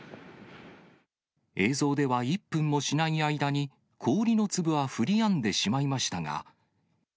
映像では、１分もしない間に、氷の粒は降りやんでしまいましたが。